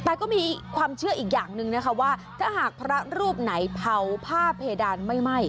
แต่ก็มีความเชื่ออีกอย่างหนึ่งนะคะว่าถ้าหากพระรูปไหนเผาผ้าเพดานไม่ไหม้